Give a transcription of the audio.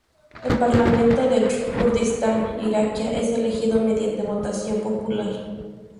El Parlamento del Kurdistán Iraquí es elegido mediante votación popular.